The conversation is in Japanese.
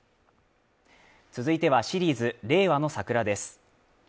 続いてはシリーズ「令和のサクラ」です。